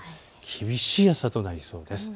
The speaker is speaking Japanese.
厳しい暑さとなりそうです。